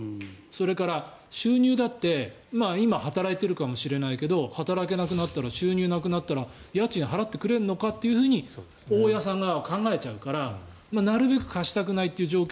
それから、収入だって今は働いているかもしれないけど働けなくなったら収入なくなったら家賃を払ってくれるのかっていうふうに大家さん側は考えちゃうからなるべく貸したくないという状況